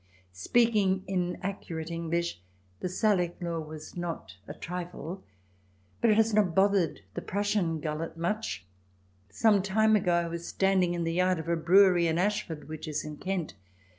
Speaking in accurate English, the Salic law was not CH. xvi] SUBJECT RACES 219 a trifle. But it has not bothered the Prussian gullet much. Some time ago I was standing in the yard of a brewery in Ashford, which is in Kent.